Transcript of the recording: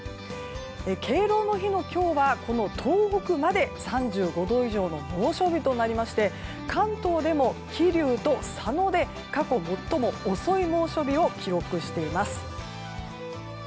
敬老の日の今日は東北まで３５度以上の猛暑日となりまして関東でも桐生と佐野で過去最も遅い猛暑日を記録しています。